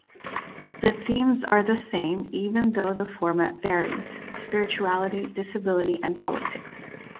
The themes are the same even though the format varies: spirituality, disability and politics.